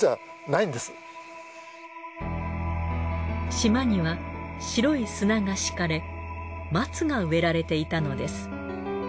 島には白い砂が敷かれ松が植えられていたのです。